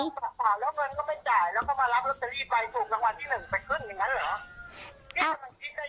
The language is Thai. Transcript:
กว่าแล้วเงินก็ไม่จ่ายแล้วก็มารับลอตเตอรี่ไปถูกรางวัลที่๑ไปขึ้นอย่างนั้นเหรอ